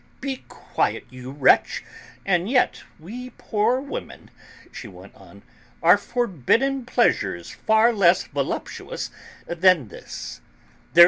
"Be quiet, you wretch! And yet we poor women," she went on, "are forbidden pleasures far less voluptuous than this.